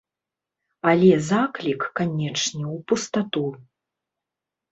Але заклік, канечне, у пустату.